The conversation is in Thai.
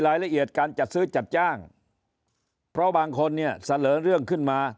รายละเอียดการจัดซื้อจัดจ้างเพราะบางคนเนี่ยเสนอเรื่องขึ้นมา